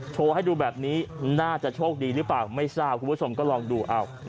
โชว์ให้ดูแบบนี้น่าจะโชคดีหรือเปล่าไม่ทราบคุณผู้ชมก็ลองดูเอา